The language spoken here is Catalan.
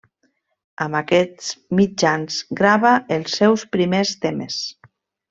Amb aquests mitjans grava els seus primers temes.